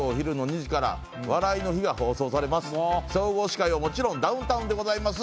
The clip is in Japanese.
総合司会はもちろんダウンタウンでございます。